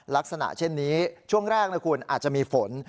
ลักษณะเช่นนี้ช่วงแรกนะคุณอาจจะมีฝน